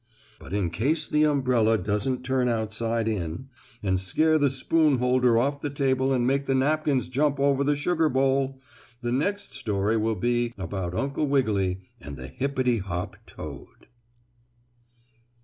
But in case the umbrella doesn't turn outside in, and scare the spoon holder off the table and make the napkins jump over the sugar bowl, the next story will be about Uncle Wiggily and the hippity hop toad.